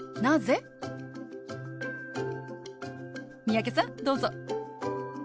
三宅さんどうぞ。